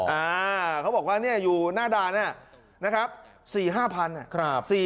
อ่าเขาบอกว่าเนี่ยอยู่หน้าดานะครับ